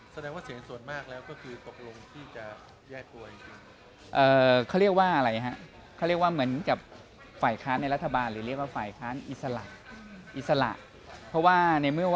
แสดงว่าเห็นส่วนมากแล้วก็คือ